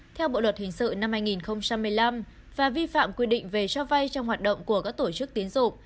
theo bộ luật hình sự năm hai nghìn một mươi năm và vi phạm quy định về cho vay trong hoạt động của các tổ chức tiến dụng